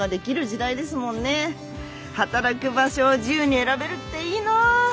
働く場所を自由に選べるっていいな。